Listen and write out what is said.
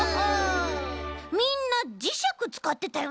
みんなじしゃくつかってたよね。